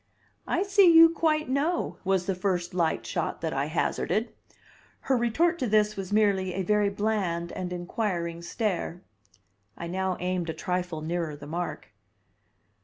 "I see you quite know," was the first light shot that I hazarded. Her retort to this was merely a very bland and inquiring stare. I now aimed a trifle nearer the mark.